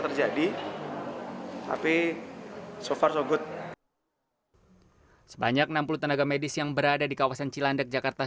terjadi tapi so far so good sebanyak enam puluh tenaga medis yang berada di kawasan cilandak jakarta